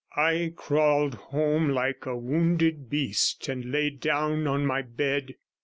I crawled home like a wounded beast, and lay down on my bed.